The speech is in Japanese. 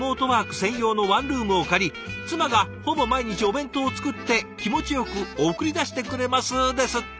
専用のワンルームを借り妻がほぼ毎日お弁当を作って気持ちよく送り出してくれます」ですって。